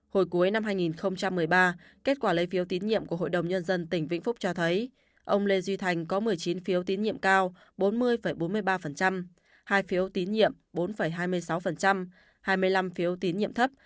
hồi cuối năm hai nghìn một mươi ba kết quả lấy phiếu tín nhiệm của hội đồng nhân dân tỉnh vĩnh phúc cho thấy ông lê duy thành có một mươi chín phiếu tín nhiệm cao bốn mươi bốn mươi ba hai phiếu tín nhiệm bốn hai mươi sáu hai mươi năm phiếu tín nhiệm thấp